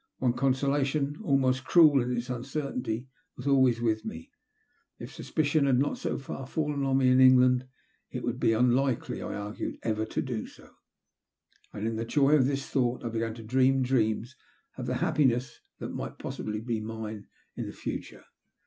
One consolation, almost cruel in its uncertainty, was always with me. If sus picion had not so far fallen on me in England, it would be unlikely, I argued, ever to do so ; and in the joy of this thought I began to dream dreams of the happi ness that might possibly be mine in the future.